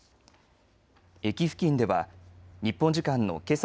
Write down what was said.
駅付近では日本時間のけさ